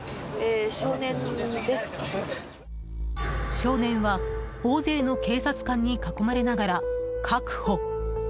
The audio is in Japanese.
少年は大勢の警察官に囲まれながら確保。